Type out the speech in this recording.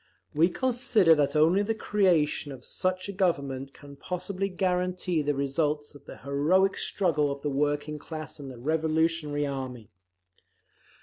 We consider that only the creation of such a Government can possibly guarantee the results of the heroic struggle of the working class and the revolutionary army.